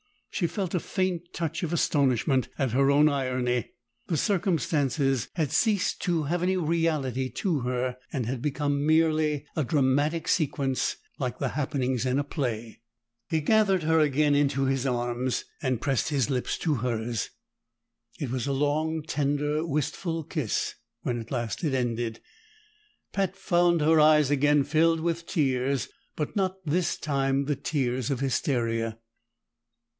She felt a faint touch of astonishment at her own irony; the circumstances had ceased to have any reality to her, and had become merely a dramatic sequence like the happenings in a play. He gathered her again into his arms and pressed his lips to hers. It was a long, tender, wistful kiss; when at last it ended, Pat found her eyes again filled with tears, but not this time the tears of hysteria.